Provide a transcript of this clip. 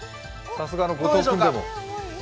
さすがの後藤君でも。